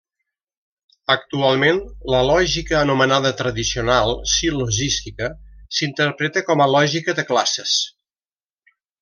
Actualment la lògica anomenada tradicional, sil·logística, s'interpreta com a lògica de classes.